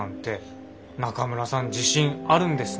自信あるんですねって。